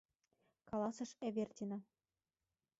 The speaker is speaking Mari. — каласыш Эвердина.